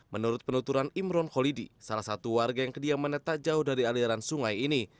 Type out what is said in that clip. menurut penuturan imron holidi salah satu warga yang kediamannya tak jauh dari aliran sungai ini